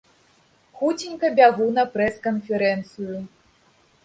Хуценька бягу на прэс-канферэнцыю.